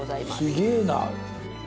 すげえな。